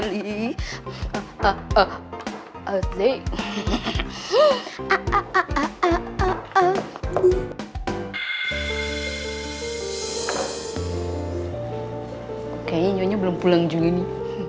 kayaknya nyonya belum pulang juga nih